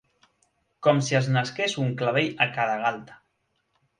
Com si els hi nasqués un clavell a cada galta.